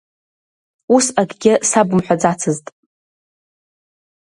Ус акгьы сабымҳәаӡацызт.